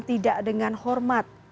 tidak dengan hormat